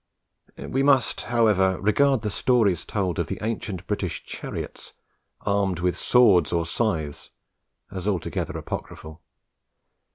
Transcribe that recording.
We must, however, regard the stories told of the ancient British chariots armed with swords or scythes as altogether apocryphal.